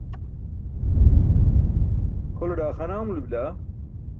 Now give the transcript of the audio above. kʰole daaxaana amulo bila?